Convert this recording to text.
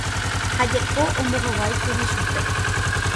Ha jeko ombohováikuri chupe